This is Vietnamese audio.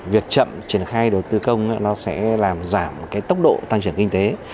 việc chậm triển khai đầu tư công nó sẽ làm giảm tốc độ tăng trưởng kinh tế